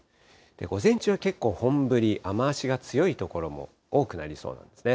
午前中は結構本降り、雨足が強い所も多くなりそうなんですね。